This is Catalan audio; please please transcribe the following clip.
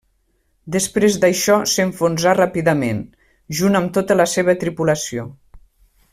Després d'això s'enfonsà ràpidament, junt amb tota la seva tripulació.